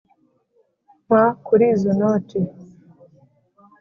mpa kuri izo noti